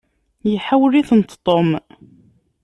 Iḥawel-itent Tom.